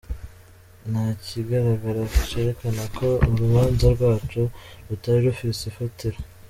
"Nta kigaraga cerekana ko urubanza rwacu rutari rufise ifatiro.